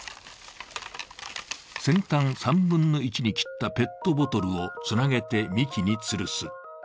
先端３分の１に切ったペットボトルをつなげて幹につるす。